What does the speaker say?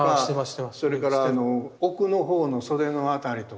それから奥の方の袖の辺りとか。